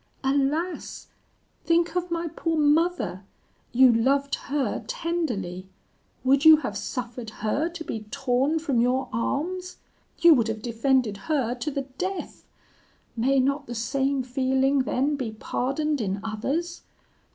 Alas! think of my poor mother! you loved her tenderly! would you have suffered her to be torn from your arms? You would have defended her to the death! May not the same feeling then be pardoned in others?